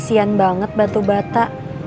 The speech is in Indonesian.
kasihan banget batu bata